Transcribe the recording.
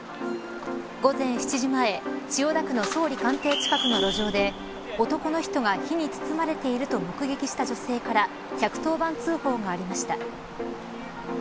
午前７時前、千代田区の総理官邸近くの路上で男の人が火に包まれていると目撃した女性から１１０通報がありました。